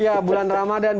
ya bulan ramadan